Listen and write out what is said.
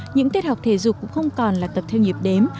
những tiết học thể dục cũng không còn là tập theo nhịp đếm